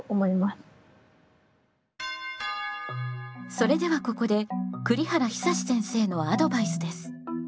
それではここで栗原久先生のアドバイスです。